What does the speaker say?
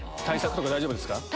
対策とか大丈夫ですか？